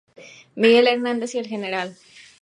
Miguel Hernández y el Gral.